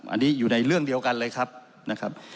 อันนี้อยู่ในเรื่องเดียวกันเลยครับนะครับ